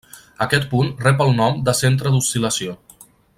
Aquest punt rep el nom de centre d'oscil·lació.